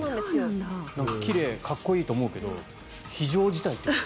奇麗かっこいいと思うけど非常事態と。